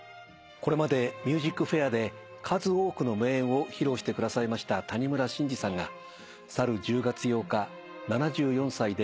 これまで『ＭＵＳＩＣＦＡＩＲ』で数多くの名演を披露してくださいました谷村新司さんが去る１０月８日７４歳で亡くなられました。